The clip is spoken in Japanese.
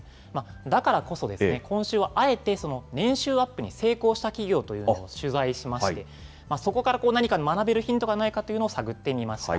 だからこそ、今週はあえて、年収アップに成功した企業というのを取材しまして、そこから何か学べるヒントがないか探ってみました。